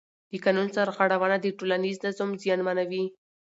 د قانون سرغړونه د ټولنیز نظم زیانمنوي